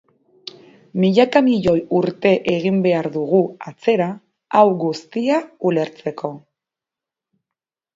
Milaka miloi urte egin behar dugu atzera hau guztia ulertzeko.